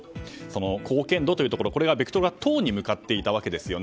貢献度というところベクトルは党に向かっていたわけですよね。